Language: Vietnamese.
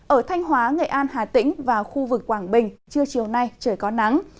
ở thanh hóa nghệ an hà tĩnh và khu vực quảng bình trưa chiều nay trời có nắng